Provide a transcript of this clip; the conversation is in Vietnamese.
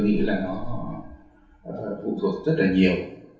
và nó còn tùy thuộc vào thời điểm